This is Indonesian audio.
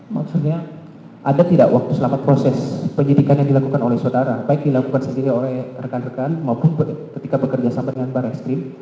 maksudnya ada tidak waktu selama proses penyidikan yang dilakukan oleh saudara baik dilakukan sendiri oleh rekan rekan maupun ketika bekerja sama dengan barreskrim